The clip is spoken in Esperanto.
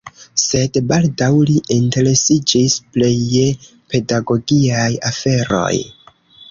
Sed baldaŭ li interesiĝis plej je pedagogiaj aferoj.